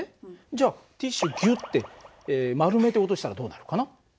じゃあティッシュギュッて丸めて落としたらどうなるかな？